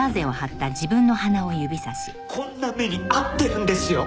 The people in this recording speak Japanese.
こんな目に遭ってるんですよ！